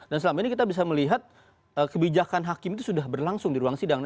dan selama ini kita bisa melihat kebijakan hakim itu sudah berlangsung di ruang sidang